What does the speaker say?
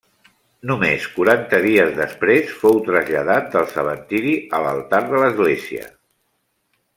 Només quaranta dies després, fou traslladat del cementiri a l'altar de l'església.